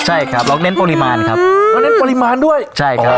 ใช่ครับแล้วเน้นปริมาณครับอืมแล้วเน้นปริมาณด้วยใช่ครับอ๋อ